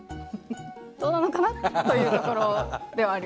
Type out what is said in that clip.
どうなのかな？というところではありますね。